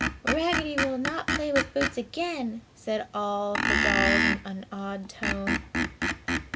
"Raggedy will not play with Boots again!" said all of the dolls in an awed tone.